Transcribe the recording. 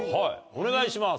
お願いします。